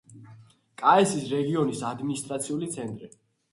კაესის რეგიონის ადმინისტრაციული ცენტრი.